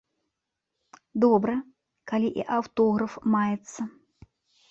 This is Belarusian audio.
Добра, калі і аўтограф маецца.